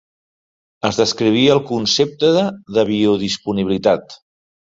Es descrivia el concepte de biodisponibilitat.